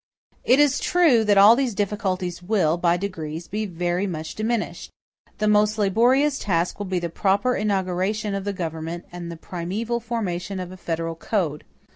It is true that all these difficulties will, by degrees, be very much diminished. The most laborious task will be the proper inauguration of the government and the primeval formation of a federal code.